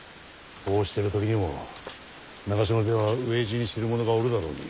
こうしてる時にも長篠では飢え死にしてる者がおるだろうに。